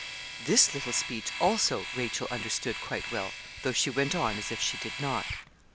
This little speech, also, Rachel understood quite well, though she went on as if she did not.